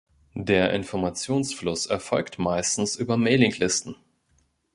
Der Informationsfluss erfolgt meistens über Mailinglisten.